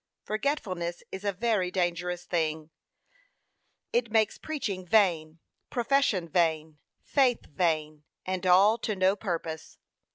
Forgetfulness is a very dangerous thing: it makes preaching vain, profession vain, faith vain, and all to no purpose.